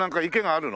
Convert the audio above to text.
ある？